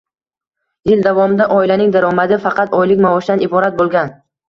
Yil davomida oilaning daromadi faqat oylik maoshdan iborat boʻlgan.